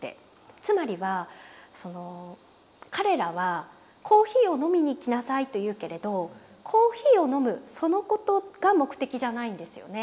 つまりは彼らはコーヒーを飲みに来なさいと言うけれどコーヒーを飲むそのことが目的じゃないんですよね。